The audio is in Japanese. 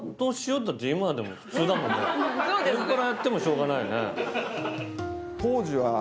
天ぷらやってもしょうがないよね。